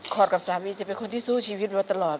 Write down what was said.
กับสามีจะเป็นคนที่สู้ชีวิตมาตลอด